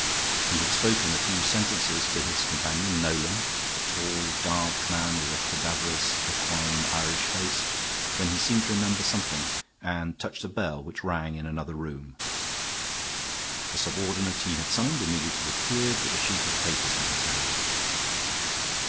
He had spoken a few sentences to his companion, Nolan, a tall, dark man with a cadaverous equine Irish face, when he seemed to remember something and touched a bell which rang in another room. The subordinate he had summoned immediately appeared with a sheaf of papers in his hand.